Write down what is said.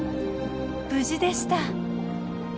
無事でした。